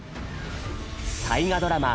大河ドラマ